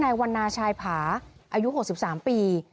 วันนาชายผาอายุ๖๓ปี